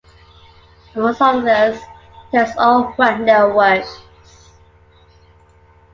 Amongst others, he directs all Wagner’s works.